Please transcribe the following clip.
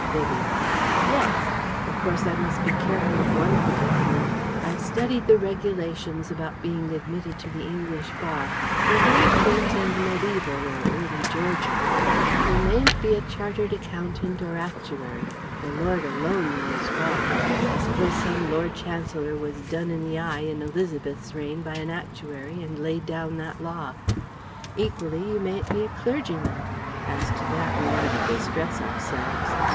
Vivie: "Yes. Of course I must be careful of one predicament. I have studied the regulations about being admitted to the English Bar. They are very quaint and medieval or early Georgian. You mayn't be a Chartered Accountant or Actuary the Lord alone knows why! I suppose some Lord Chancellor was done in the eye in Elizabeth's reign by an actuary and laid down that law. Equally you mayn't be a clergyman. As to that we needn't distress ourselves.